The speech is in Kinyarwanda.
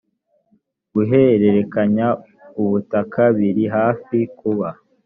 guhererekanya ubutaka biri hafi kuba